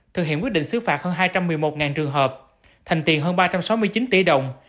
thực hiện quyết định xứ phạt hơn hai trăm một mươi một trường hợp thành tiền hơn ba trăm sáu mươi chín tỷ đồng